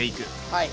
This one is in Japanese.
はい。